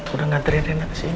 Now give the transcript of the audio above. udah ngantriin reina ke sini loh